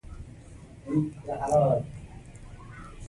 د یو سوکاله ژوند په هیله.